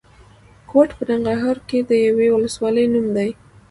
کوټ په ننګرهار کې د یوې ولسوالۍ نوم دی.